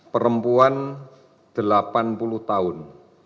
perempuan delapan puluh tahun